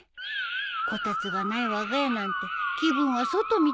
こたつがないわが家なんて気分は外みたいなもんだよ。